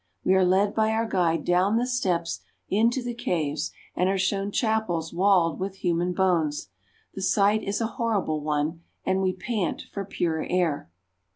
We are led by our guide down the steps into the caves and are shown chapels walled with human bones. The sight is a hor rible one, and we pant for pure air.